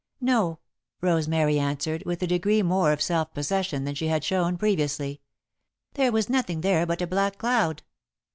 "No," Rosemary answered, with a degree more of self possession than she had shown previously. "There was nothing there but a black cloud."